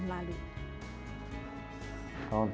mengapakah memberkongsi alasan